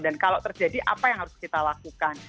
dan kalau terjadi apa yang harus kita lakukan